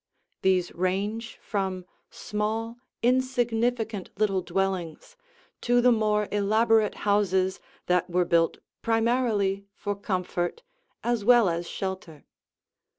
These range from small, insignificant little dwellings to the more elaborate houses that were built primarily for comfort as well as shelter.